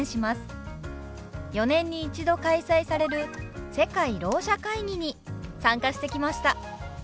４年に一度開催される世界ろう者会議に参加してきました。